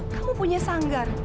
kamu punya sanggar